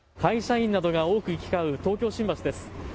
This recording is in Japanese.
会社員などが多く行き交う東京新橋です。